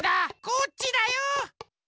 こっちだよ！